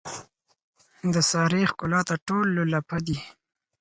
د سارې ښکلاته ټول خلک لولپه دي.